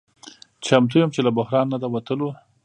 چمتو یم چې له بحران نه د وتلو